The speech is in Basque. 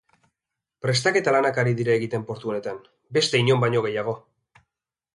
Prestaketa lanak ari dira egiten portu honetan, beste inon baino gehiago.